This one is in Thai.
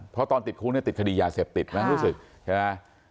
เพราะตอนติดคุกเนี่ยติดคดียาเสพติดมันรู้สึกใช่ไหม